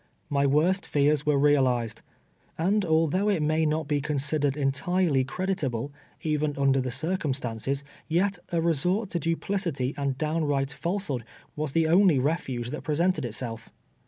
My worst fears Avere realized, and although it may not be considered entirely creditable, even under the circumstances, yet a resort to duplicity and downright falsehood was the only refuge that presented itself.